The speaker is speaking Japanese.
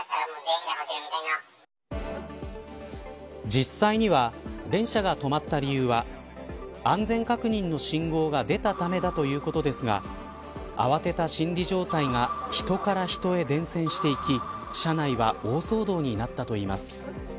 実際には電車が止まった理由は安全確認の信号が出たためだということですが慌てた心理状態が人から人へ伝染していき車内は大騒動になったといいます。